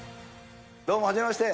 どうも、はじめまして。